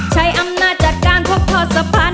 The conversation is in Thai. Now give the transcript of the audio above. ใช้อำนาจจัดการเพราะเพราะสะพาน